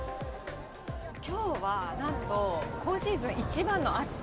きょうはなんと今シーズン一番の暑さ。